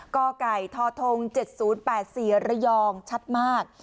ก่อก่ายทอทง๗๐๘๔ระยองชัดมาก